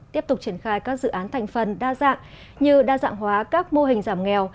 tiếp tục triển khai các dự án thành phần đa dạng như đa dạng hóa các mô hình giảm nghèo